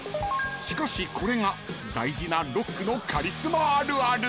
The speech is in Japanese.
［しかしこれが大事なロックのカリスマあるある］